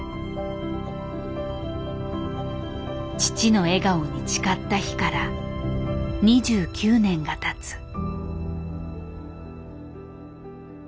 父の笑顔に誓った日から２９年がたつ。